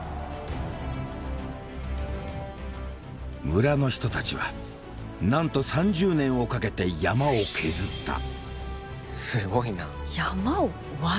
村の人たちはなんと３０年をかけて山を削った。